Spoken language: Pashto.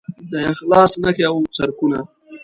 د اخلاص نښې او څرکونه